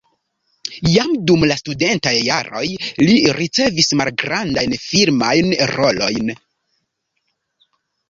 Jam dum la studentaj jaroj li ricevis malgrandajn filmajn rolojn.